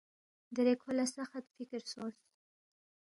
دیرے کھو لہ سخت فکر سونگس